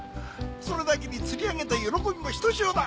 それだけに釣り上げた喜びもひとしおだ。